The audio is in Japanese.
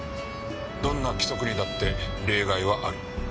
どんな規則にだって例外はある。